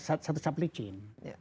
satu satu supply chain